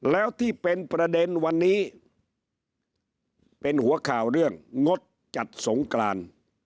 แล้วที่เป็นประเด็นวันนี้เป็นหัวข่าวเรื่องงดจัดสงกราน